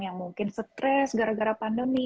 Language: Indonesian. yang mungkin stres gara gara pandemi